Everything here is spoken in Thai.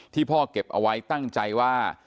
พ่อเก็บเอาไว้ตั้งใจว่า